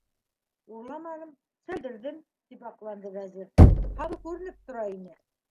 - Урламаным, сәлдерҙем, - тип аҡланды Вәзир, - һабы күренеп тора ине.